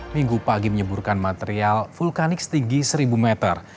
minggu pagi menyeburkan material vulkanik setinggi seribu meter